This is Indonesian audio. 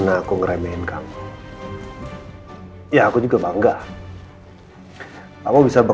maksud kamu kan nggak pernah atuh ku panggil kamu sama sa ya